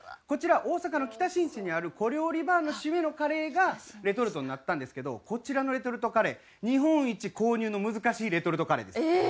こちら大阪の北新地にある小料理バーの締めのカレーがレトルトになったんですけどこちらのレトルトカレー日本一購入の難しいレトルトカレーです。